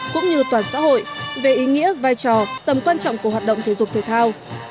cũng như toàn xã hội về ý nghĩa vai trò tầm quan trọng của hoạt động thể dục thể thao